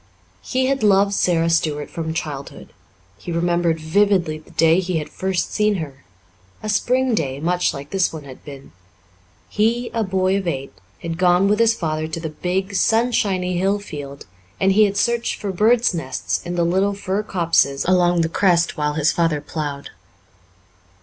He had loved Sara Stuart from childhood. He remembered vividly the day he had first seen her a spring day, much like this one had been; he, a boy of eight, had gone with his father to the big, sunshiny hill field and he had searched for birds' nests in the little fir copses along the crest while his father plowed.